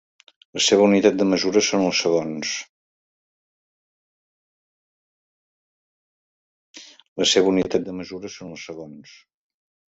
La seva unitat de mesura són els segons.